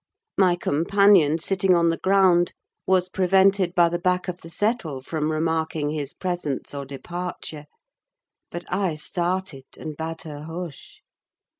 My companion, sitting on the ground, was prevented by the back of the settle from remarking his presence or departure; but I started, and bade her hush!